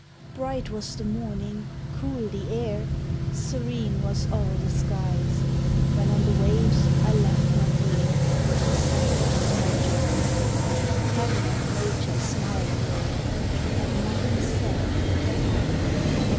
_ Bright was the morning, cool the air, Serene was all the skies; When on the waves I left my dear, The center of my joys; Heav'n and nature smiling were. And nothing sad but I.